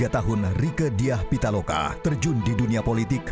tiga tahun rike diah pitaloka terjun di dunia politik